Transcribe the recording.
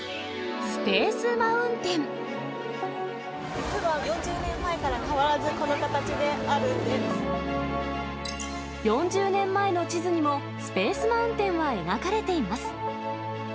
実は４０年前から変わらずこ４０年前の地図にも、スペース・マウンテンは描かれています。